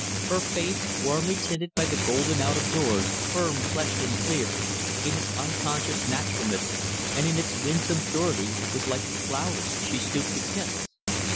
Her face, warmly tinted by the golden out of doors, firm fleshed and clear, in its unconscious naturalness and in its winsome purity was like the flowers she stooped to kiss.